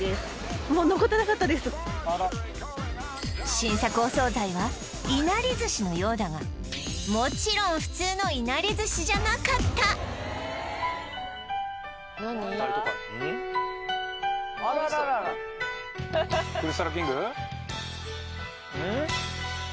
新作お惣菜はいなり寿司のようだがもちろん普通のいなり寿司じゃなかったあー